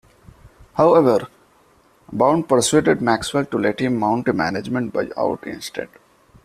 However, Bound persuaded Maxwell to let him mount a management buyout instead.